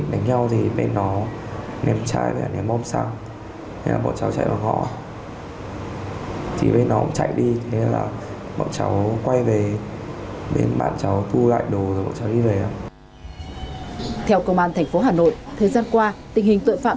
theo công an thành phố hà nội thời gian qua tình hình tội phạm